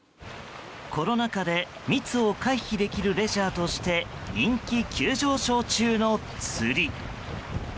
コロナ渦で密を回避できるレジャーとして人気急上昇中の釣り。